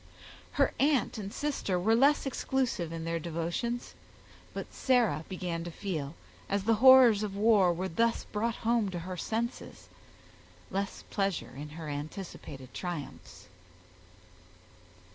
Her aunt and sister were less exclusive in their devotions; but Sarah began to feel, as the horrors of war were thus brought home to her senses, less pleasure in her anticipated triumphs.